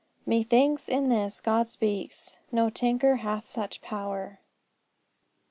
"Methinks in this God speaks, No tinker hath such power."